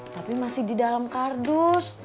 tapi masih di dalam kardus